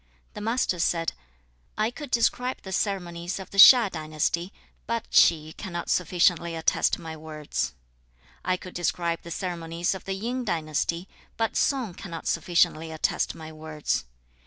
The Master said, 'I could describe the ceremonies of the Hsia dynasty, but Chi cannot sufficiently attest my words. I could describe the ceremonies of the Yin dynasty, but Sung cannot sufficiently attest my words.